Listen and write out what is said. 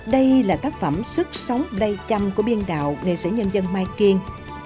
đây là tác phẩm sức sống lây châm của biên đạo nghệ sĩ nhân dân mai kiên